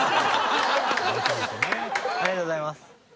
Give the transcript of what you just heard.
ありがとうございます。